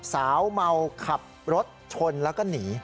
สาวเมาขับรถชนแล้วก็หนี